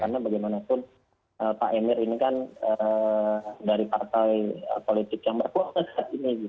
karena bagaimanapun pak emir ini kan dari partai politik yang berpengaruh